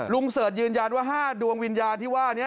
เสิร์ชยืนยันว่า๕ดวงวิญญาณที่ว่านี้